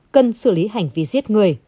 cần xử lý hành vi giết người